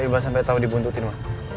iqbal sampai tahu dibuntutin ma